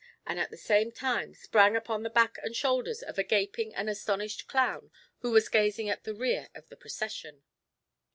and at the same time sprang upon the back and shoulders of a gaping and astonished clown who was gazing at the rear of the procession.